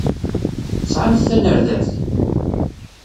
Tesɛamt tanerdabt?